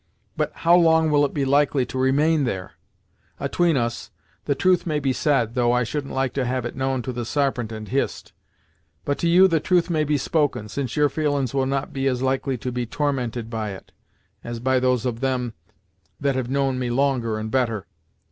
But, how long will it be likely to remain there? Atween us, the truth may be said, though I shouldn't like to have it known to the Sarpent and Hist; but, to you the truth may be spoken, since your feelin's will not be as likely to be tormented by it, as those of them that have known me longer and better.